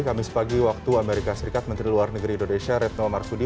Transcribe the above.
kamis pagi waktu amerika serikat menteri luar negeri indonesia retno marsudi